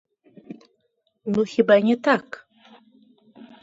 Ну хіба не так?